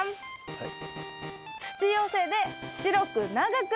はい。